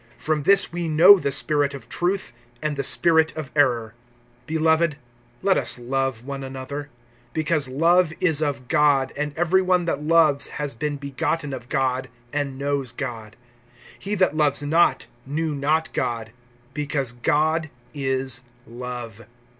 From this we know the spirit of truth, and the spirit of error. (7)Beloved, let us love one another; because love is of God, and every one that loves has been begotten of God, and knows God. (8)He that loves not, knew not God; because God is love.